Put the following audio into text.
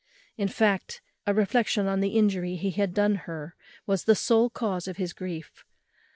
In fact, a reflection on the injury he had done her was the sole cause of his grief.